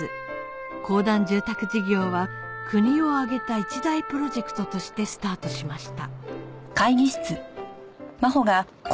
公団住宅事業は国を挙げた一大プロジェクトとしてスタートしました